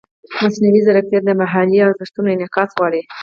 مصنوعي ځیرکتیا د محلي ارزښتونو انعکاس غواړي.